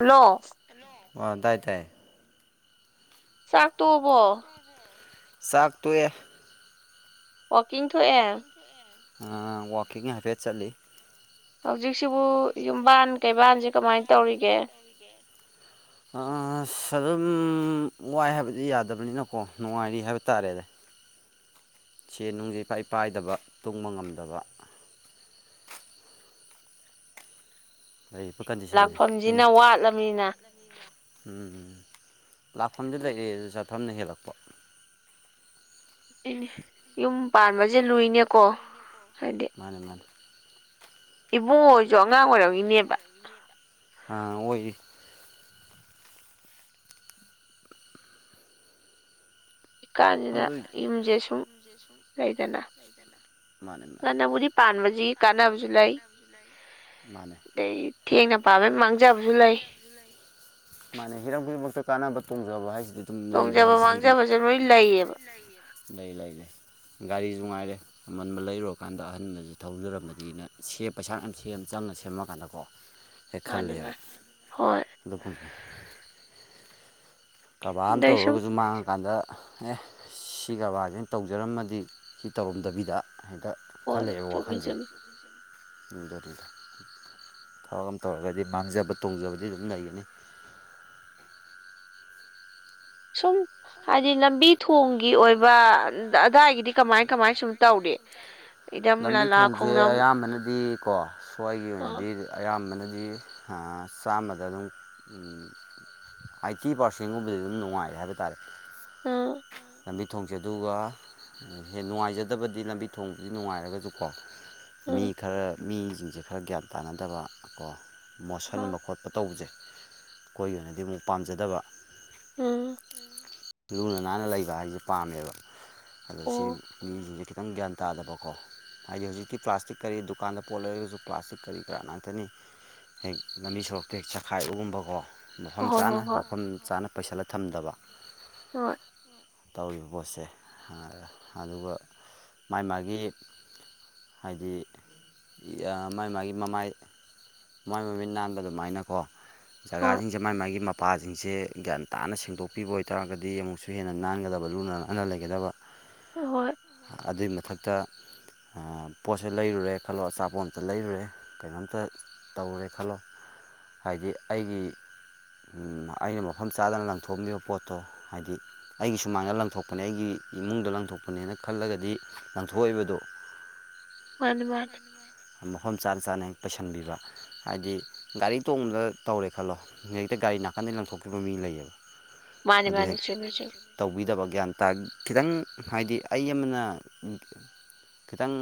ꯂ ꯑꯥ ꯇꯥꯏ ꯇꯥꯏꯌꯦ ꯆꯥꯛꯇꯣꯛꯕꯣ ꯆꯥꯛ ꯇꯣꯛꯑꯦ ꯑꯣꯀꯤꯤꯡ ꯊꯣꯛ ꯊꯣꯛꯦ ꯑꯥ ꯋꯥꯛꯀꯤꯡ ꯍꯥꯏꯐꯦꯠ ꯆꯠꯂꯤ ꯍꯧꯖꯤꯛꯁꯤꯕꯨ ꯌꯨꯝꯕꯥꯟ ꯀꯩꯕꯥꯟꯖꯦ ꯀꯃꯥꯏ ꯇꯧꯔꯤꯒꯦ ꯑꯥꯁ ꯑꯗꯨꯝ ꯋꯥꯏ ꯍꯥꯏꯕꯗꯤ ꯌꯥꯗꯕꯅꯤꯅꯀꯣ ꯅꯨꯡꯉꯥꯏꯔꯤ ꯍꯥꯏꯕ ꯇꯥꯔꯦꯅꯦ ꯁꯦꯟ ꯅꯨꯡꯖꯦ ꯏꯄꯥꯏ ꯄꯥꯏꯗꯕ ꯇꯨꯡꯕ ꯉꯝꯗꯕ ꯂꯥꯛꯐꯝꯖꯤꯅ ꯋꯥꯠꯂꯃꯤꯅ ꯎꯝ ꯂꯥꯛꯐꯝꯗꯤ ꯂꯩꯑꯦ ꯑꯗꯨꯗ ꯆꯠꯐꯝꯅ ꯍꯦꯜꯂꯛꯄ ꯏꯅꯤ ꯌꯨꯝ ꯄꯥꯟꯕꯖꯦ ꯂꯨꯏꯅꯦꯀꯣ ꯍꯥꯏꯗꯤ ꯃꯥꯅꯦ ꯃꯥꯅꯦ ꯏꯕꯨꯡꯉꯣꯍꯣꯏꯖꯨ ꯑꯉꯥꯡ ꯑꯣꯏꯔꯝꯒꯤꯅꯦꯕ ꯑꯉꯥꯡ ꯑꯣꯏꯔꯤ ꯖꯤꯛꯀꯥꯟꯖꯤꯗ ꯌꯨꯝꯖꯦ ꯁꯨꯝ ꯂꯩꯗꯅ ꯉꯟꯅꯕꯨꯗꯤ ꯇꯥꯟꯕꯖꯤꯒꯤ ꯀꯥꯟꯅꯕꯖꯨ ꯂꯩ ꯃꯥꯅꯦ ꯑꯗꯩ ꯊꯦꯡꯅ ꯄꯥꯟꯕꯩ ꯃꯥꯡꯖꯕꯁꯨ ꯂꯩ ꯃꯥꯅꯦ ꯍꯤꯔꯝ ꯈꯨꯗꯤꯡꯃꯛꯇ ꯀꯥꯟꯅꯕ ꯇꯣꯡꯖꯕ ꯍꯥꯏꯁꯤꯗꯤ ꯇꯣꯡꯖꯕ ꯃꯥꯡꯖꯕꯖꯦ ꯂꯣꯏ ꯂꯩꯌꯦꯕ ꯂꯩ ꯂꯩ ꯂꯩ ꯒꯥꯔꯤꯖꯨ ꯉꯥꯏꯔꯦ ꯑꯃꯟꯕ ꯂꯩꯔꯨꯔꯀꯥꯟꯗ ꯑꯍꯟꯕꯖꯤ ꯊꯧꯖꯔꯝꯃꯗꯤꯅ ꯁꯦ ꯄꯩꯁꯥ ꯌꯥꯝ ꯁꯦꯝ ꯆꯪꯉ ꯁꯦꯝꯃꯀꯥꯟꯗꯀꯣ ꯃꯥꯅꯤꯕ ꯍꯣꯏ ꯑꯗꯣ ꯂꯧꯁꯤꯟꯕ ꯉꯝꯗꯕ ꯀꯔꯕꯥꯔ ꯑꯃ ꯇꯧꯔꯒꯁꯨ ꯃꯥꯡꯉꯀꯥꯟꯗ ꯑꯦ ꯁꯤ ꯀꯔꯕꯥꯔꯖꯤ ꯑꯣꯏꯅ ꯇꯧꯖꯔꯝꯃꯗꯤ ꯁꯤ ꯇꯧꯔꯝꯗꯕꯤꯗ ꯍꯦꯛꯇ ꯈꯜꯂꯛꯑꯦꯕ ꯋꯥꯈꯟꯖꯦ ꯑꯗꯨꯅꯤꯗ ꯊꯕꯛ ꯑꯃ ꯇꯧꯔꯒꯗꯤ ꯃꯥꯡꯖꯕ ꯇꯣꯡꯖꯕꯗꯤ ꯑꯗꯨꯝ ꯂꯩꯒꯅꯤ ꯁꯨꯝ ꯍꯥꯏꯗꯤ ꯂꯝꯕꯤ ꯊꯣꯡꯒꯤ ꯑꯣꯏꯕ ꯑꯗꯥꯏꯒꯤꯗꯤ ꯀꯃꯥꯏ ꯀꯃꯥꯏ ꯁꯨꯝ ꯇꯧꯔꯤ ꯂꯝꯕꯤ ꯊꯣꯡꯖꯦ ꯑꯌꯥꯝꯕꯅꯗꯤ ꯀꯣ ꯁ꯭ꯋꯥꯏꯒꯤ ꯑꯣꯏꯅꯗꯤ ꯑꯌꯥꯝꯕꯅꯗꯤ ꯑꯥ ꯆꯥꯝꯃꯗ ꯑꯗꯨꯝ ꯎꯝ ꯑꯥꯏꯠꯇꯤ ꯄꯥꯔꯁꯦꯟꯒꯨꯝꯕꯗ ꯑꯗꯨꯝ ꯅꯨꯡꯉꯥꯏꯔꯦ ꯍꯥꯏꯕ ꯇꯥꯔꯦ ꯑꯥ ꯂꯝꯕꯤ ꯊꯣꯡꯁꯦ ꯑꯗꯨꯒ ꯑ ꯍꯦꯟ ꯅꯨꯡꯉꯥꯏꯖꯗꯕꯗꯤ ꯂꯝꯕꯤ ꯊꯣꯡꯗꯤ ꯅꯨꯡꯉꯥꯏꯔꯒꯖꯨꯀꯣ ꯃꯤ ꯈꯔ ꯃꯤꯖꯤꯡꯖꯦ ꯈꯔ ꯒ꯭ꯌꯥꯟ ꯇꯥꯅꯗꯕ ꯀꯣ ꯃꯣꯠꯁꯟꯕ ꯈꯣꯠꯄ ꯇ ꯇꯧꯕꯁꯦ ꯑꯩꯈꯣꯏꯒꯤ ꯑꯣꯏꯅꯗꯤ ꯑꯃꯨꯛ ꯄꯥꯝꯖꯗꯕ ꯂꯨꯅ ꯅꯥꯟꯅ ꯂꯩꯕ ꯍꯥꯏꯖꯦ ꯄꯥꯝꯃꯦꯕ ꯑꯗꯣ ꯁꯤ ꯃꯤꯁꯤꯡꯁꯦ ꯈꯤꯇꯪ ꯒ꯭ꯌꯥꯟ ꯇꯥꯗꯕꯀꯣ ꯍꯥꯏꯗꯤ ꯍꯧꯖꯤꯛꯇꯤ ꯄ꯭ꯂꯥꯁꯇꯤꯛ ꯀꯔꯤ ꯗꯨꯀꯥꯟꯗ ꯄꯣꯠ ꯂꯩꯔꯒꯁꯨ ꯄ꯭ꯂꯥꯁꯇꯤꯛ ꯀꯔꯤ ꯀꯔꯥ ꯅꯥꯟꯊꯅꯤ ꯍꯦꯛ ꯂꯝꯕꯤ ꯁꯣꯔꯣꯛꯇ ꯍꯦꯛ ꯆꯈꯥꯏ ꯎꯒꯨꯝꯕꯀꯣ ꯃꯐꯝ ꯆꯥꯅ ꯃꯐꯝ ꯆꯥꯅ ꯄꯩꯁꯜꯂ ꯊꯝꯗꯕ ꯍꯣꯏ ꯇꯧꯔꯤꯕ ꯄꯣꯠꯁꯦ ꯑꯗꯨꯒ ꯃꯥꯏ ꯃꯥꯒꯤ ꯍꯥꯏꯗꯤ ꯃꯥꯥꯏ ꯃꯥꯒꯤ ꯃꯃꯥꯏ ꯃꯥꯏ ꯃꯃꯤꯠ ꯅꯥꯟꯕ ꯑꯗꯨꯃꯥꯏꯅꯀꯣ ꯖꯒꯥꯁꯤꯡꯁꯦ ꯃꯥꯒꯤ ꯃꯥꯒꯤ ꯃꯄꯥꯁꯤꯡꯁꯦ ꯒ꯭ꯌꯥꯟ ꯇꯥꯅ ꯁꯦꯡꯗꯣꯛꯄꯤꯕ ꯑꯣꯏꯇꯥꯔꯒꯗꯤ ꯑꯃꯨꯛꯁꯨ ꯍꯦꯟꯅ ꯅꯥꯟꯒꯗꯕ ꯂꯨꯅ ꯅꯥꯟꯅ ꯂꯩꯒꯗꯕ ꯍꯣꯏ ꯑꯗꯨꯏ ꯃꯊꯛꯇ ꯑꯥ ꯄꯣꯠꯁꯦ ꯂꯩꯔꯨꯔꯦ ꯈꯜꯂꯣ ꯑꯆꯥꯄꯣꯠ ꯑꯝꯇ ꯂꯩꯔꯨꯔꯦ ꯀꯩꯅꯣꯝꯇ ꯇꯧꯔꯦ ꯈꯜꯂꯣ ꯍꯥꯏꯗꯤ ꯑꯩꯒꯤ ꯎꯝ ꯑꯩꯅ ꯃꯐꯝ ꯆꯥꯗꯅ ꯂꯪꯊꯣꯛꯑꯝꯂꯤꯕ ꯄꯣꯠꯇꯣ ꯍꯥꯏꯗꯤ ꯁꯨꯃꯥꯏꯅ ꯂꯪꯊꯣꯛꯄꯅꯦ ꯑꯩꯒꯤ ꯏꯃꯨꯡꯗ ꯂꯪꯊꯣꯛꯄꯅꯦꯅ ꯈꯜꯂꯒꯗꯤ ꯂꯪꯊꯣꯛꯑꯣꯏꯕ ꯑꯗꯣ ꯃꯥꯅꯤ ꯃꯥꯅꯤ ꯃꯐꯝ ꯆꯥꯅ ꯆꯥꯅ ꯍꯦꯛ ꯄꯩꯁꯟꯕꯤꯕ ꯍꯥꯏꯗꯤ ꯒꯥꯔꯤ ꯇꯣꯡꯕꯗ ꯇꯧꯔꯦ ꯈꯜꯂꯣ ꯍꯖꯤꯦꯛꯇ ꯒꯥꯔꯤ ꯅꯥꯀꯟꯗꯒꯤꯩ ꯂꯪꯊꯣꯛꯈꯤꯕ ꯃꯤ ꯂꯩꯌꯦꯕ ꯃꯥꯅꯦ ꯃꯥꯅꯦ ꯆꯨꯃꯤ ꯁꯨꯨꯝ ꯇꯧꯕꯤꯗꯕ ꯒ꯭ꯌꯥꯟ ꯇꯥ ꯈꯤꯇꯪ ꯍꯥꯏꯗꯤ ꯑꯩ ꯑꯃꯅ ꯈꯤꯇꯪ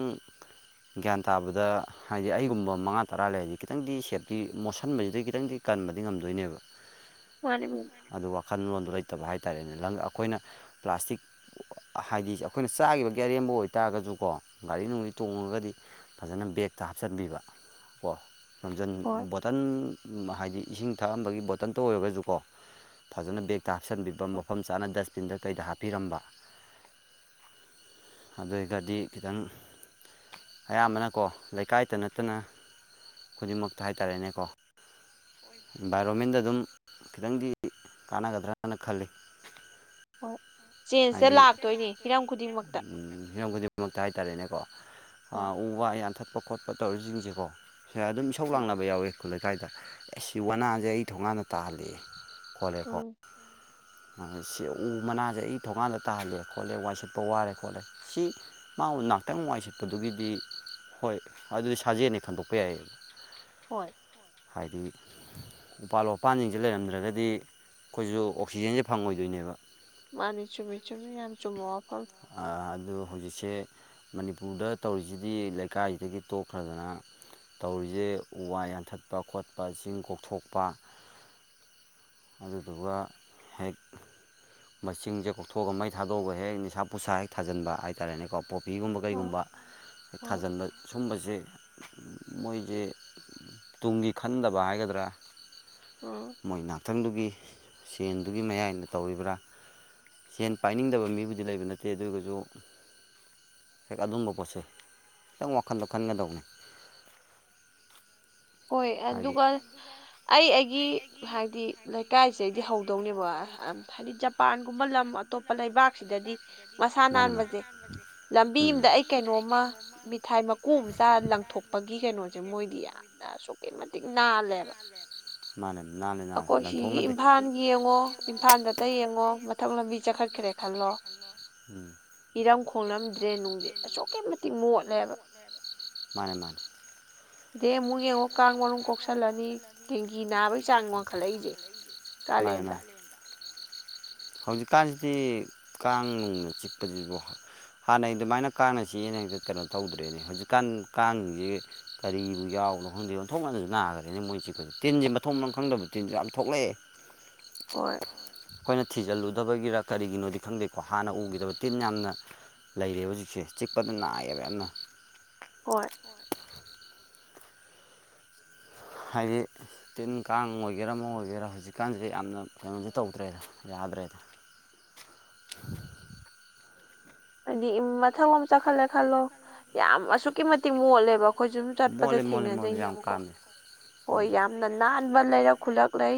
ꯒ꯭ꯌꯥꯟ ꯇꯥꯕꯗ ꯍꯥꯏꯗꯤ ꯑꯩꯒꯨꯝꯕ ꯃꯉꯥ ꯇꯔꯥ ꯂꯩꯔꯗꯤ ꯈꯤꯇꯪꯗꯤ ꯁꯦꯞꯇꯤ ꯃꯣꯠꯁꯟꯕꯁꯤꯗꯩ ꯈꯤꯇꯪꯗꯤ ꯀꯟꯕꯗꯤ ꯉꯝꯗꯣꯏꯅꯦꯕ ꯃꯥꯅꯤ ꯑꯗꯨ ꯋꯥꯈꯜꯂꯣꯟꯗꯣ ꯂꯩꯇꯕ ꯍꯥꯏꯇꯥꯔꯦꯅꯦ ꯑꯩꯈꯣꯏꯅ ꯄ꯭ꯂꯥꯁꯇꯤꯛ ꯍꯥꯏꯗꯤ ꯑꯩꯈꯣꯏꯅ ꯆꯥꯈꯤꯕꯒꯤ ꯑꯔꯦꯝꯕ ꯑꯣꯏꯇꯥꯥꯔꯒꯁꯨꯀꯣ ꯒꯥꯔꯤ ꯅꯨꯡꯔꯤ ꯇꯣꯡꯉꯒꯗꯤ ꯐꯖꯅ ꯕꯦꯛꯇ ꯍꯥꯞꯆꯤꯟꯕꯤꯕ ꯀꯣ ꯂꯝꯖꯤꯟ ꯄꯣꯠ ꯕꯣꯇꯜ ꯍꯥꯏꯗꯤ ꯏꯁꯤꯡ ꯊꯛꯑꯝꯕꯒꯤ ꯕꯣꯇꯜꯇ ꯑꯣꯏꯔꯒꯁꯨꯀꯣ ꯐꯖꯅ ꯕꯦꯛꯇ ꯍꯥꯞꯆꯟꯕꯤꯕ ꯃꯐꯝ ꯆꯥꯅ ꯗꯁꯕꯤꯟꯗ ꯀꯩꯗ ꯍꯥꯞꯄꯤꯔꯝꯕ ꯑꯗꯨ ꯑꯣꯏꯔꯒꯗꯤ ꯈꯤꯇꯪ ꯑꯌꯥꯝꯕꯅ ꯀꯣ ꯂꯩꯀꯥꯏꯗ ꯅꯠꯇꯅ ꯈꯨꯗꯤꯡꯃꯛꯇ ꯍꯥꯏꯇꯥꯔꯦꯅꯦꯀꯣ ꯏꯟꯚꯥꯏꯔꯣꯟꯃꯦꯟꯗ ꯑꯗꯨꯝ ꯈꯤꯇꯪꯗꯤ ꯀꯥꯟꯅꯒꯗ꯭ꯔꯅ ꯈꯜꯂꯤ ꯍ ꯆꯦꯟꯖꯇ ꯂꯥꯛꯇꯣꯏꯅꯦ ꯍꯤꯔꯝ ꯈꯨꯗꯤꯡꯃꯛꯇ ꯃꯛꯇ ꯍꯥꯏꯇꯥꯔꯦꯅꯦꯀꯣ ꯎ ꯋꯥ ꯌꯥꯟꯊꯠꯄ ꯈꯣꯠꯄ ꯇꯧꯔꯤꯁꯤꯡꯁꯦꯀꯣ ꯑꯗꯨꯝ ꯊꯧ ꯂꯥꯡꯅꯕ ꯌꯥꯎꯋꯦ ꯈꯨꯠ ꯂꯩꯀꯥꯏꯗ ꯑꯦ ꯁꯤ ꯋꯥꯅꯥꯁꯦ ꯑꯩ ꯊꯣꯡꯉꯥꯟꯅ ꯇꯥꯍꯜꯂꯑꯦ ꯈꯣꯠꯂꯦꯀꯣ ꯁꯤ ꯎ ꯃꯅꯥꯁꯦ ꯑꯩ ꯊꯣꯡꯉꯥꯟꯗ ꯇꯥꯍꯜꯂꯦ ꯈꯣꯠꯂꯦ ꯋꯥꯏ ꯁꯠꯄ ꯋꯥꯔꯦ ꯈꯣꯠꯂꯦ ꯁꯤ ꯃꯥꯕꯨ ꯉꯅꯥꯍꯇꯪꯅꯨꯡ ꯋꯥꯥꯏ ꯁꯤꯠꯄꯗꯨꯒꯤꯗꯤ ꯍꯣꯏ ꯑꯗꯨꯗꯤ ꯁꯥꯖꯦꯅꯤ ꯈꯟꯗꯣꯛꯄ ꯌꯥꯏꯌꯦ ꯍꯣꯏ ꯍꯥꯏꯗꯤ ꯎꯄꯥꯜ ꯋꯥꯄꯥꯟꯁꯤꯡꯁꯦ ꯂꯩꯔꯝꯗ꯭ꯔꯒꯗꯤ ꯑꯩꯈꯣꯏꯁꯨ ꯑꯣꯛꯁꯤꯖꯦꯟꯁꯦ ꯐꯪꯉꯣꯏꯗꯣꯏꯅꯦꯕ ꯃꯥꯅꯤ ꯆꯨꯝ ꯃ ꯆꯨꯝꯃꯤ ꯌꯥ ꯆꯨꯝꯕ ꯋꯥꯐꯝ ꯑꯗꯨ ꯍꯧꯖꯤꯛꯁꯦ ꯃꯅꯤꯄꯨꯔꯗ ꯇꯧꯔꯤꯁꯤꯗꯤ ꯂꯩꯀꯥꯏꯁꯤꯗꯒꯤ ꯇꯣꯛꯈ꯭ꯔꯗꯅ ꯇꯧꯔꯤꯁꯦ ꯎ ꯋꯥ ꯌꯥꯟꯊꯠꯄ ꯈꯣꯠꯄ ꯆꯤꯡ ꯀꯣꯛꯊꯣꯛꯄ ꯑꯗꯨꯗꯨꯒ ꯍꯦꯛ ꯃꯤꯡꯁꯦ ꯀꯣꯛꯊꯣꯛꯑꯒ ꯃꯩ ꯊꯥꯗꯣꯛꯑꯒ ꯍꯦꯛ ꯅꯤꯁꯥ ꯄꯨꯁꯥ ꯍꯦꯛ ꯊꯥꯖꯤꯟꯕ ꯍꯥꯏꯇꯥꯔꯦꯅꯦꯀꯣ ꯄꯣ ꯐꯤꯒꯨꯝꯕ ꯀꯩꯒꯨꯝꯕ ꯍ ꯊꯥꯖꯤꯟꯕ ꯁꯨꯝꯕꯁꯦ ꯃꯣꯏꯁꯦ ꯇꯨꯡꯒꯤ ꯈꯟꯗꯕ ꯍꯥꯏꯒꯗ꯭ꯔꯥ ꯃꯣꯏ ꯅꯥꯊꯪꯗꯨꯒꯤ ꯁꯦꯟꯗꯨꯒꯤ ꯃꯌꯥꯏꯅ ꯇꯧꯔꯤꯕ꯭ꯔꯥ ꯁꯦꯟ ꯄꯥꯏꯅꯤꯡꯗꯕ ꯃꯤꯕꯨꯗꯤ ꯂꯩꯕ ꯅꯠꯇꯦ ꯑꯗꯨꯒꯁꯨ ꯍꯦꯛ ꯑꯗꯨꯝꯕ ꯄꯣꯠꯁꯦ ꯈꯤꯇꯪ ꯋꯥꯈꯟꯗꯣ ꯈꯟꯒꯗꯧꯅꯤ ꯍꯣꯏ ꯑꯗꯨꯒ ꯑꯩ ꯑꯩꯒꯤ ꯍꯥꯏꯗꯤ ꯂꯩꯀꯥꯏꯁꯤ ꯑꯩꯗꯤ ꯍꯧꯗꯧꯅꯦꯕ ꯍꯥꯏꯗꯤ ꯖꯄꯥꯟꯒꯨꯝꯕ ꯂꯝ ꯑꯇꯣꯞꯄ ꯂꯩꯕꯥꯛꯁꯤꯗꯗꯤ ꯃꯁꯥ ꯅꯥꯟꯕꯁꯦ ꯂꯝꯕꯤ ꯑꯃꯗ ꯑꯩ ꯀꯩꯅꯣꯝꯃ ꯃꯤꯊꯥꯏ ꯃꯀꯨ ꯑꯃꯆꯥ ꯂꯪꯊꯣꯛꯄꯒꯤ ꯀꯩꯅꯣꯁꯦ ꯃꯣꯏꯗꯤ ꯌꯥꯝꯅ ꯑꯗꯨꯛꯀꯤ ꯃꯇꯤꯛ ꯅꯥꯜꯂꯦꯕ ꯑꯩꯈꯣꯏ ꯁꯤꯒꯤ ꯏꯝꯐꯥꯜ ꯌꯦꯡꯉꯣ ꯏꯝꯐꯥꯜꯗꯇ ꯌꯦꯡꯉꯣ ꯃꯊꯛ ꯂꯝꯕꯤ ꯆ ꯈꯦꯔꯦ ꯈꯂꯣ [unintelligible] ꯏꯔꯝ ꯈꯣꯡꯂꯂꯝꯗ꯭ꯔꯦ ꯅꯨꯡꯗꯤ ꯑꯁꯨꯛꯀꯤ ꯃꯇꯤꯛ ꯃꯣꯠꯂꯦꯕ ꯃꯥꯅꯦ ꯃꯥꯅꯦ ꯏꯗ ꯑꯃꯨꯛ ꯌꯦꯡꯉꯣ ꯀꯥꯡ ꯃꯔꯨꯝ ꯀꯣꯛꯁꯜꯂꯅꯤ ꯗꯦꯡꯒꯤ ꯅꯥꯕꯒꯤ ꯆꯥꯡ ꯋꯥꯡꯈꯠꯂꯛꯏꯁꯦ ꯀꯂꯦꯟꯗꯥ ꯍꯧꯖꯤꯛꯀꯥꯟꯁꯤꯗꯤ ꯀꯥꯡ ꯅꯨꯡꯅ ꯆꯤꯛꯄꯁꯤꯕꯨ ꯍꯥꯟꯅꯩ ꯑꯗꯨꯃꯥꯏꯅ ꯀꯥꯡꯅ ꯆꯤꯛꯌꯦꯅ ꯍꯦꯛꯇꯥ ꯀꯩꯅꯣ ꯇꯧꯗ꯭ꯔꯦꯅꯦ ꯍꯧꯖꯤꯛꯀꯥꯟ ꯁꯤꯡꯁꯤ ꯀꯔꯤꯕꯨ ꯌꯥꯎꯕꯅꯣ ꯈꯪꯗꯦ ꯑꯣꯟꯊꯣꯛꯅꯥꯁꯨ ꯅꯥꯈ꯭ꯔꯦꯅꯦ ꯃꯣꯏꯅ ꯆꯤꯛꯄꯥꯁꯤ ꯇꯤꯟꯁꯤ ꯃꯊꯣꯡ ꯃꯥꯔꯝ ꯈꯪꯗꯕ ꯇꯤꯟꯁꯨ ꯌꯥꯝ ꯊꯣꯛꯂꯛꯑꯦ ꯍꯣꯏ ꯊꯤꯖꯤꯜꯂꯨꯗꯕꯒꯤꯔ ꯀꯔꯤꯒꯤꯅꯣꯗꯤ ꯈꯪꯗꯦꯀꯣ ꯍꯥꯟꯅ ꯎꯈꯤꯗꯕ ꯇꯤꯟ ꯌꯥꯝꯅ ꯂꯩꯔꯦꯌꯦꯕ ꯍꯧꯖꯤꯛꯁꯦ ꯆꯤꯛꯄꯗ ꯅꯥꯏꯌꯦꯕ ꯌꯥꯝꯅ ꯍꯣꯏ ꯍꯥꯏꯌꯦ ꯇꯤꯟ ꯀꯥꯡ ꯑꯣꯏꯒꯦꯔꯥ ꯑꯃ ꯑꯣꯏꯒꯦꯔꯥ ꯍꯧꯖꯤꯛꯀꯥꯟꯁꯦ ꯌꯥꯝꯅ ꯀꯩꯅꯣꯁꯨ ꯇꯧꯗ꯭ꯔꯦ ꯌꯥꯗ꯭ꯔꯦ ꯍꯥꯏꯗꯤ ꯃꯊꯛꯂꯣꯝ ꯆꯈꯠꯂꯦ ꯈꯜꯂꯣ ꯌꯥꯝ ꯑꯁꯨꯛꯀꯤ ꯃꯇꯤꯛ ꯃꯣꯜꯂꯦꯕ ꯑꯩꯈꯣꯏ ꯁꯨꯝ ꯆꯠꯄꯗ ꯊꯦꯡꯅꯖꯩꯅꯦꯕꯀꯣ ꯍꯣꯏ ꯌꯥꯝ ꯅꯥꯟꯕ ꯂꯩꯔꯛ ꯈꯨꯜꯂꯛ ꯂꯩ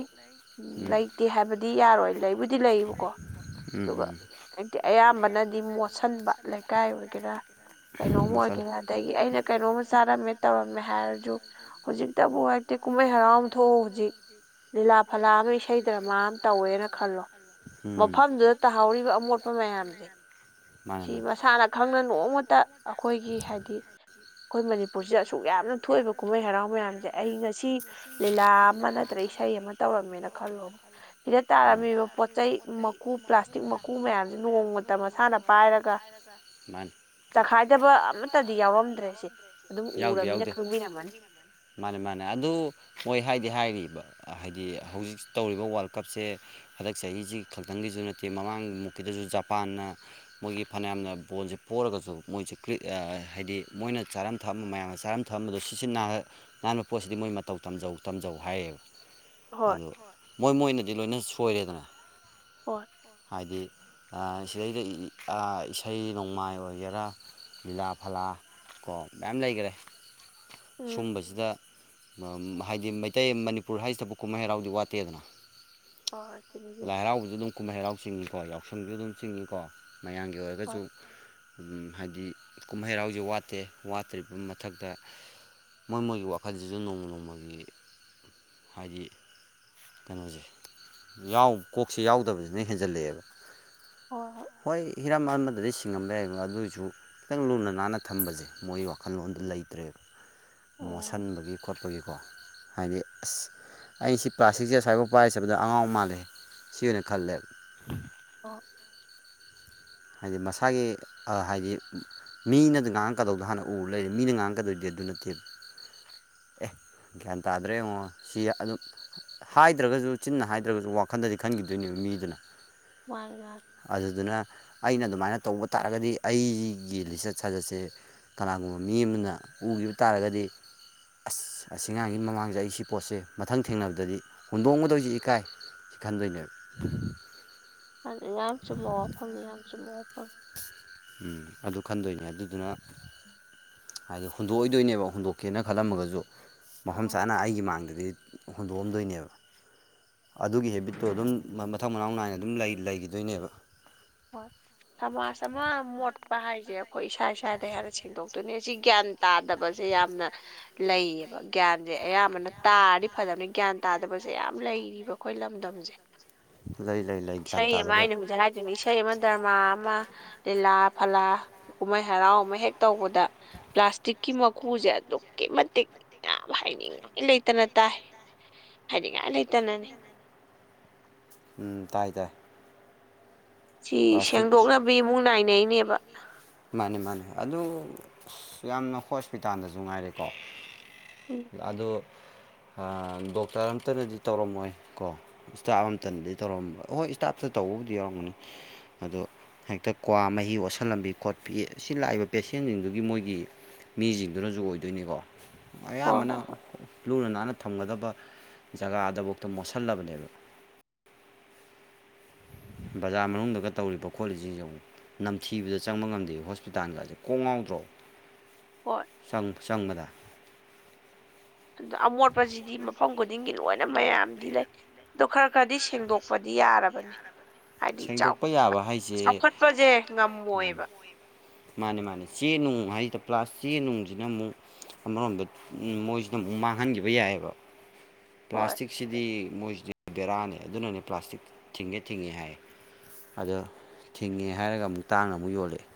ꯂꯩꯇꯦ ꯍꯥꯏꯕꯗꯤ ꯌꯥꯔꯣꯏ ꯂꯩꯕꯨ ꯗꯤ ꯂꯩꯌꯦꯕꯀꯣ ꯑꯗꯨꯒ ꯍꯥꯏꯕꯗꯤ ꯑꯌꯥꯝꯕꯅꯗꯤ ꯃꯣꯠꯇꯤꯛ ꯁꯟꯕ ꯂꯩꯀꯥꯏ ꯑꯣꯏꯒꯦꯔꯥ ꯀꯩꯅꯣꯝ ꯑꯣꯏꯒꯦꯔꯥ ꯑꯗꯒꯤ ꯑꯩꯅ ꯀꯩꯅꯣꯝꯃ ꯆꯥꯔꯝꯃꯦ ꯇꯧꯔꯝꯃꯦ ꯍꯥꯏꯔꯁꯨ ꯍꯧꯖꯤꯛꯇꯕꯨ ꯍꯥꯏꯐꯗꯤ ꯀꯨꯝꯍꯩ ꯍꯔꯥꯎ ꯑꯃ ꯊꯣꯛꯑꯣ ꯍꯧꯖꯤꯛ ꯂꯤꯂꯥ ꯐꯥꯂꯥ ꯑꯃ ꯏꯁꯩ ꯗ꯭ꯔꯃꯥ ꯑꯃ ꯇꯧꯋꯦꯅ ꯈꯜꯂꯣ ꯃꯐꯝꯗꯨꯗ ꯇꯥꯍꯧꯔꯤꯕ ꯑꯃꯣꯠꯄ ꯃꯌꯥꯝꯁꯦ ꯁꯤ ꯃꯁꯥꯅ ꯈꯪꯅ ꯅꯣꯡꯃꯇ ꯑꯩꯈꯣꯏꯒꯤ ꯍꯥꯏꯗꯤ ꯑꯩꯈꯣꯏ ꯃꯅꯤꯄꯨꯔꯁꯤꯗ ꯑꯁꯨꯛ ꯌꯥꯝꯅ ꯊꯣꯛꯏꯕ ꯀꯨꯝꯍꯩ ꯍꯔꯥꯎ ꯃꯌꯥꯝꯁꯦ ꯑꯩꯅ ꯁꯤ ꯂꯤꯂꯥ ꯑꯃ ꯅꯠꯇ꯭ꯔꯒ ꯏꯁꯩ ꯑꯃ ꯇꯧꯔꯝꯃꯦꯅ ꯈꯜꯂꯣꯕ ꯁꯤꯗ ꯇꯥꯔꯝꯃꯤꯕ ꯄꯣꯠ ꯆꯩꯩ ꯄ꯭ꯂꯥꯁꯇꯤꯛ ꯃꯀꯨ ꯃꯌꯥꯝꯁꯦ ꯅꯣꯡꯃꯇ ꯃꯁꯥꯅ ꯄꯔ ꯃꯥ [unintelligible] ꯆꯈꯥꯏꯗꯕ ꯑꯃꯠꯇꯗꯤ ꯌꯥꯎꯔꯝꯗ꯭ꯔꯦꯁꯦ ꯑꯗꯨꯝ ꯎꯔꯕꯅꯤꯅ ꯈꯪꯕꯤꯔꯝꯃꯅꯤ ꯃꯥꯅꯤ ꯃꯥꯅꯤ ꯑꯗꯨ ꯃꯣꯏ ꯍꯥꯏꯗꯤ ꯍꯥꯏꯔꯤꯕ ꯍꯥꯏꯗꯤ ꯍꯧꯖꯤꯛꯁꯨ ꯇꯧꯔꯤꯕ ꯋꯥꯔꯜ ꯀꯞꯁꯦ ꯍꯟꯗꯛ ꯆꯍꯤꯁꯤꯒꯤ ꯈꯛꯇꯪꯒꯤꯁꯨ ꯅꯠꯇꯦ ꯃꯃꯥꯡꯒꯤ ꯃꯨꯛꯀꯤꯗꯁꯨ ꯖꯄꯥꯟꯅ ꯃꯣꯏꯒꯤ ꯐꯅꯌꯥꯝꯅ ꯕꯣꯜꯁꯦ ꯄꯔꯒꯁꯨ ꯃꯣꯏꯁꯦ ꯀ꯭ ꯍꯥꯏꯗꯤ ꯃꯣꯏꯅ ꯆꯥꯔꯝ ꯊꯝꯕ ꯃꯌꯥꯝ ꯑꯃ ꯆꯥꯔꯝ ꯊꯝꯕꯗꯣ ꯁꯤꯁꯤ ꯅꯥ ꯅꯥꯟꯕ ꯄꯣꯠꯁꯤꯗꯤ ꯃꯣꯏ ꯃꯇꯧ ꯇꯝꯖꯧ ꯇꯝꯖꯧ ꯍꯥꯏꯌꯦꯕ ꯑꯗꯨ ꯃꯣꯏ ꯃꯣꯏꯅꯗꯤ ꯂꯣꯏꯅ ꯁꯣꯏꯔꯦꯗꯅ ꯍꯥꯏꯗꯤ ꯁꯤꯗꯩꯗ ꯏꯁꯩ ꯅꯣꯡꯃꯥꯏ ꯑꯣꯏꯒꯦꯔꯥ ꯂꯤꯂꯥ ꯐꯥꯂꯥ ꯀꯣ ꯃꯌꯥꯝ ꯂꯩꯒꯥꯔꯦ ꯁꯨꯝꯕꯁꯤꯗ ꯍꯥꯏꯗꯤ ꯃꯩꯇꯩ ꯃꯅꯤꯄꯨꯔ ꯍꯥꯏꯁꯤꯗꯕꯨ ꯀꯨꯝꯍꯩ ꯍꯔꯥꯎꯗꯤ ꯋꯥꯠꯇꯦꯗꯅ ꯑꯣ ꯊ [unintelligible] ꯂꯥꯏ ꯍꯔꯥꯎꯕꯁꯨ ꯑꯗꯨꯝ ꯀꯨꯝꯍꯩ ꯍꯔꯥꯎ ꯆꯤꯡꯏꯤꯀꯣ ꯌꯥꯎꯁꯪꯁꯨ ꯑꯗꯨꯝ ꯆꯤꯡꯏꯤꯀꯣ ꯃꯌꯥꯝꯒꯤ ꯑꯣꯏꯔꯒꯁꯨ ꯍꯥꯏꯗꯤ ꯀꯨꯝꯍꯩ ꯍꯔꯥꯎꯁꯦ ꯋꯥꯠꯇꯦ ꯋꯥꯠꯇ꯭ꯔꯤꯕ ꯃꯊꯛꯇ ꯃꯣꯏ ꯃꯣꯏꯒꯤ ꯋꯥꯈꯜꯁꯤꯁꯨ ꯅꯣꯡꯃ ꯅꯣꯡꯃꯒꯤ ꯍꯥꯏꯗꯤ ꯀꯩꯅꯣꯁꯦ ꯀꯣꯛꯁꯦ ꯌꯥꯎꯗꯕꯁꯤꯅ ꯍꯦꯟꯖꯜꯂꯛꯑꯦꯕ ꯍꯣꯏ ꯍꯤꯔꯝ ꯑꯃꯗꯗꯤ ꯁꯤꯡꯉꯝꯕ ꯌꯥꯏꯕ ꯑꯗꯨꯏꯁꯨ ꯈꯤꯇꯪ ꯂꯨꯅ ꯅꯥꯟꯅ ꯊꯝꯕꯁꯦ ꯃꯣꯏ ꯋꯥꯈꯜꯂꯣꯟꯗ ꯂꯩꯇ꯭ꯔꯦꯕ ꯃꯣꯠꯁꯤꯟꯕꯒꯤ ꯈꯣꯠꯄꯒꯤꯀꯣ ꯍꯥꯏꯗꯤ ꯑꯁ ꯑꯩꯁꯤ ꯄ꯭ꯂꯥꯁꯇꯤꯛꯁꯦ ꯑꯁꯥꯏꯕ ꯄꯥꯏ ꯆꯠꯄꯗ ꯑꯉꯥꯎ ꯃꯥꯜꯂꯦ ꯁꯤ ꯑꯣꯏꯅ ꯈꯜꯂꯦꯕ ꯑ ꯍꯥꯏꯗꯤ ꯃꯁꯥꯒꯤ ꯍꯥꯏꯗꯤ ꯃꯤꯅꯗꯤ ꯉꯥꯡꯉꯛꯀꯗꯧꯗꯣ ꯍꯥꯟꯅ ꯎꯔ ꯂꯩꯔꯦ ꯃꯤꯅ ꯉꯥꯡꯉꯛꯀꯗꯣꯏꯗꯤ ꯑꯗꯨ ꯅꯠꯇꯦꯕ ꯑꯦ ꯒ꯭ꯌꯥꯟ ꯇꯥꯗ꯭ꯔꯦ ꯌꯦꯡꯉꯣ ꯁꯤ ꯑꯗꯨꯝ ꯍꯥꯏꯗ꯭ꯔꯒꯁꯨ ꯆꯤꯟꯅ ꯍꯥꯏꯗ꯭ꯔꯒꯁꯨ ꯋꯥꯈꯟꯗꯗꯤ ꯈꯟꯈꯤꯗꯣꯏꯅꯦꯕ ꯃꯤꯗꯨꯅ ꯃꯥꯏ ꯂꯥꯛ [unintelligible] ꯑꯗꯨꯗꯨꯅ ꯑꯩꯅ ꯑꯗꯨꯃꯥꯏꯅ ꯇꯧꯕ ꯇꯥꯔꯒꯗꯤ ꯑꯩꯒꯤ ꯂꯤꯆꯠ ꯁꯥꯖꯠꯁꯦ ꯀꯅꯥꯒꯨꯝꯕ ꯃꯤ ꯑꯃꯅ ꯎꯈꯤꯕ ꯇꯥꯔꯒꯗꯤ ꯑꯁ ꯑꯁꯤ ꯉꯥꯡꯒꯤ ꯃꯃꯥꯡꯗ ꯑꯩ ꯁꯤ ꯄꯣꯠꯁꯦ ꯃꯊꯪ ꯊꯦꯡꯅꯕꯗꯗꯤ ꯍꯨꯟꯗꯣꯡꯒꯗꯣꯏꯁꯦ ꯏꯀꯥꯏ ꯏꯈꯥꯟꯗꯩꯅ ꯑꯗꯨ ꯌꯥꯝ ꯆꯨꯝꯕ ꯋꯥꯐꯝꯅꯤ ꯌꯥꯝ ꯆꯨꯝꯕ ꯋꯥꯐꯝꯪꯅꯤ ꯎꯝ ꯑꯗꯨ ꯈꯟꯗꯣꯏꯅꯦ ꯑꯗꯨꯗꯨꯅ ꯍꯥꯏꯗꯤ ꯍꯨꯟꯗꯣꯛꯑꯣꯏꯗꯣꯏꯅꯦꯕ ꯍꯨꯟꯗꯣꯛꯀꯦꯅ ꯈꯜꯂꯝꯃꯒꯁꯨ ꯃꯐꯝ ꯆꯥꯅ ꯑꯩꯒꯤ ꯃꯥꯡꯗꯗꯤ ꯍꯨꯟꯗꯣꯛꯑꯝꯗꯣꯏꯅꯦꯕ ꯑꯗꯨꯒꯤ ꯍꯦꯕꯤꯠꯇꯣ ꯑꯗꯨꯝ ꯃꯊꯪ ꯃꯅꯥꯎ ꯅꯥꯏꯅ ꯑꯗꯨꯝ ꯂꯩꯈꯤꯗꯣꯏꯅꯦꯕ ꯍꯣꯏ ꯁꯃꯥꯖ ꯑꯃ ꯃꯣꯠꯄ ꯍꯥꯏꯁꯦ ꯑꯩꯈꯣꯏ ꯏꯁꯥ ꯏꯁꯥꯗ ꯍꯦꯟꯅ ꯁꯦꯡꯗꯣꯛꯇꯣꯏꯅꯤ ꯁꯤ ꯒ꯭ꯌꯥꯟ ꯇꯥꯗꯕꯁꯦ ꯌꯥꯝꯅ ꯂꯩꯌꯦꯕ ꯒ꯭ꯌꯥꯟꯁꯦ ꯑꯌꯥꯝꯕꯅ ꯇꯥꯗꯤ ꯐꯖꯕꯅꯤ ꯒ꯭ꯌꯥꯟ ꯇꯥꯗꯕꯁꯦ ꯌꯥꯝ ꯂꯩꯔꯤ ꯏꯕ ꯑꯩꯈꯣꯏ ꯂꯝꯗꯝꯁꯦ ꯂꯩ ꯂꯩ ꯂꯩ ꯁ ꯑꯃꯃꯥꯏꯅꯦꯒꯖꯔ ꯏꯁꯩ ꯑꯃ ꯗꯔꯃꯥ ꯑꯃ ꯂꯤꯂꯥ ꯐꯥꯂꯥ ꯀꯨꯝꯍꯩ ꯍꯔꯥꯎ ꯑꯃ ꯍꯦꯛ ꯇꯧꯕꯗ ꯄ꯭ꯂꯥꯁꯇꯤꯛꯀꯤ ꯃꯀꯨꯁꯦ ꯑꯗꯨꯛꯀꯤ ꯃꯇꯤꯛ ꯌꯥꯝ ꯍꯥꯏꯅꯤꯡꯉꯥꯏ ꯂꯩꯇꯅ ꯇꯥꯏ꯫ ꯍꯥꯏꯅꯤꯡꯉꯥꯏ ꯂꯩꯇꯅꯅꯤ꯫ ꯎꯝ ꯇꯥꯏ ꯇꯥꯏ ꯁꯤ ꯁꯦꯡꯗꯣꯛꯅꯕ ꯏꯃꯨꯛ ꯅꯥꯏꯅꯩꯅꯦꯕ ꯃꯥꯅꯤ ꯃꯥꯅꯦ ꯑꯗꯨ ꯌꯥꯝꯅ ꯍꯣꯁꯄꯤꯇꯥꯜꯗꯁꯨ ꯉꯥꯏꯔꯦꯀꯣ ꯑꯣ ꯗꯣꯛꯇꯔ ꯑꯝꯇꯅꯗꯤ ꯇꯧꯔꯝꯃꯣꯏ ꯀꯣ ꯏꯁꯇꯥꯐ ꯑꯝꯇꯟꯗꯗꯤ ꯇꯧꯔꯝꯕ ꯍꯣꯏ ꯏꯁꯇꯥꯞꯇ ꯇꯧꯕꯕꯨꯗꯤ ꯌꯥꯎꯔꯝꯒꯅꯤ꯫ ꯑꯗꯨ ꯍꯦꯛꯇ ꯀ꯭ꯋꯥ ꯃꯍꯤ ꯑꯣꯠꯁꯤꯜꯂꯝꯕꯤ ꯈꯣꯠꯄ꯫ ꯁꯤ ꯂꯥꯛꯏꯕ ꯄꯦꯁꯦꯟꯁꯤꯡꯗꯨꯒꯤ ꯃꯣꯏꯒꯤ ꯃꯤꯁꯤꯡꯗꯨꯅꯁꯨ ꯑꯣꯏꯗꯣꯏꯅꯤꯀꯣ ꯑꯌꯥꯝꯕꯅ ꯂꯨꯅ ꯅꯥꯟꯅ ꯊꯝꯒꯗꯕ ꯖꯒꯥꯗꯐꯥꯎꯗ ꯃꯣꯠꯁꯤꯜꯂꯕꯅꯦꯕ ꯕꯖꯥꯔ ꯃꯅꯨꯡꯗ ꯇꯧꯔꯤꯕ ꯈꯣꯠꯂꯤꯁꯤ ꯌꯦ ꯅꯝꯊꯤꯕꯗ ꯆꯪꯕ ꯉꯝ ꯑꯗꯩ ꯍꯣꯁꯄꯤꯇꯥꯜꯒꯁꯦ ꯀꯣꯡꯉꯥꯎꯗ꯭ꯔꯣ ꯍꯣꯏ ꯪ ꯆꯪꯕꯗ ꯑꯗ ꯑꯃꯣꯠꯄꯁꯤꯗꯤ ꯃꯐꯝ ꯈꯨꯗꯤꯡꯒꯤ ꯂꯣꯏꯅ ꯃꯌꯥꯝꯗꯤ ꯂꯩ ꯑꯣ ꯈꯔ ꯈꯔꯗꯤ ꯁꯦꯡꯗꯣꯛꯄꯗꯤ ꯌꯥꯔꯕꯅꯤ ꯍꯥꯏꯗꯤ ꯆꯥꯎ ꯆꯥꯎꯈꯠꯄꯁꯦ ꯉꯝꯃꯣꯏꯕ ꯃꯥꯅꯦ ꯃꯥꯅꯦ ꯆꯦ ꯅꯨꯡ ꯍꯥꯏꯁꯤꯗ ꯄ꯭ꯂꯥꯁ ꯆꯦ ꯅꯨꯡꯁꯤꯅ ꯑꯃꯨꯛ ꯑꯃꯔꯣꯝꯗ ꯃꯣꯏꯁꯤꯗ ꯑꯃꯨꯛ ꯃꯥꯡꯍꯟꯈꯤꯕ ꯌꯥꯏꯑꯕ ꯄ꯭ꯂꯥꯁꯇꯤꯛꯁꯤꯗꯤ ꯃꯣꯏꯁꯤꯗꯤ ꯕꯦꯔꯥꯅꯦ ꯑꯗꯨꯅꯅꯦ ꯄ꯭ꯂꯥꯁꯇꯤꯛ ꯊꯤꯡꯒꯦ ꯊꯤꯡꯉꯦ ꯍꯥꯏ ꯑꯗꯣ ꯊꯤꯡꯉꯦ ꯍꯥꯏꯔꯒ ꯑꯃꯨꯛ ꯇꯥꯡꯅ ꯑꯃꯨꯛ ꯌꯣꯜꯂꯛꯑꯦ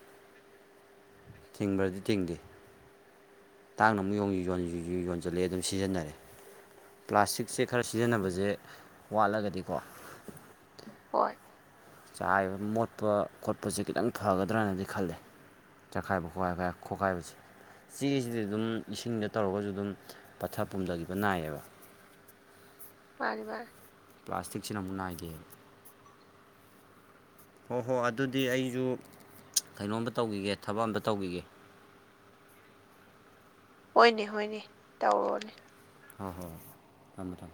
ꯊꯤꯡꯕꯗꯤ ꯇꯤꯡꯗꯦ ꯇꯥꯡꯅ ꯑꯃꯨꯛ ꯌꯁꯤ ꯌꯣꯟꯁꯤꯁꯨ ꯌꯣꯟꯁꯤꯜꯂꯑꯦ ꯑꯗꯨꯝ ꯁꯤꯖꯤꯟꯅꯔꯦ ꯄ꯭ꯂꯥꯁꯇꯤꯛꯁꯦ ꯈꯔ ꯁꯤꯖꯤꯟꯅꯕꯁꯦ ꯋꯥꯠꯂꯒꯗꯤꯀꯣ ꯍꯣꯏ ꯆꯥꯏꯕ ꯃꯣꯠꯄ ꯈꯣꯠꯄꯁꯦ ꯈꯤꯇꯪ ꯐꯒꯗ꯭ꯔꯅꯗꯤ ꯈꯜꯂꯦ ꯆꯈꯥꯏꯕ ꯈꯣꯈꯥꯏꯕ ꯈꯣꯈꯥꯏꯕꯁꯤꯦ ꯆꯦꯒꯤꯁꯤꯗꯤ ꯑꯗꯨꯝ ꯏꯁꯤꯡꯗ ꯇꯧꯔꯒꯁꯨ ꯑꯗꯨꯝ ꯄꯠꯊ ꯄꯨꯝꯊꯈꯤꯕ ꯅꯥꯏꯌꯦꯕ ꯄꯔꯔꯤꯕꯔ ꯄ꯭ꯂꯥꯁꯇꯤꯛꯁꯤꯅ ꯑꯃꯨꯛ ꯅꯥꯏꯗꯦ ꯍꯣꯏ ꯍꯣꯏ ꯑꯗꯨꯗꯤ ꯑꯩꯁꯨ ꯀꯩꯅꯣꯝꯝꯕ ꯇꯧꯈꯤꯒꯦ ꯊꯕꯛꯑꯝꯕ ꯇꯧꯈꯤꯒꯦ ꯍꯣꯏꯅꯦ ꯍꯣꯏꯅꯦ ꯇꯧꯔꯣꯅꯦ ꯍꯣꯏ ꯍꯣꯏ ꯍꯣꯏ ꯊꯝꯃꯦ ꯊꯝꯃꯦ